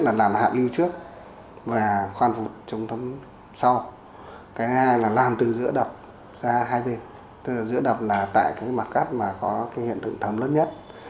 cái hai là làm từ giữa đập ra hai bên giữa đập là tại cái mặt cắt mà có cái hiện tượng thấm lớn nhất